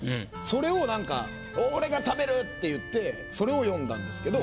それをなんか「俺が食べる」っていってそれを詠んだんですけど。